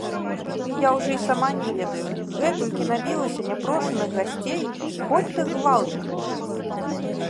Я ўжо і сама не ведаю, гэтулькі набілася няпрошаных гасцей, хоць ты гвалт крычы.